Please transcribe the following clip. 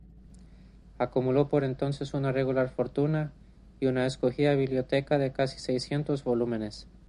Acumuló por entonces una regular fortuna y una escogida biblioteca de casi seiscientos volúmenes.